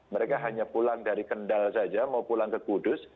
mereka hanya pulang dari kendal saja mau pulang ke kudus